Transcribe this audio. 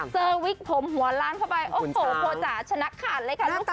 เจอวิกผมหัวล้านเข้าไปโอ้โหโภจารย์ชนะขาดเลยค่ะลูกค้า